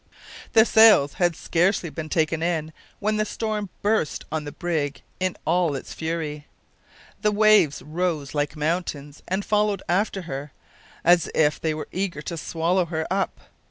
The sails had scarcely been taken in when the storm burst on the brig in all its fury. The waves rose like mountains and followed after her, as if they were eager to swallow her up.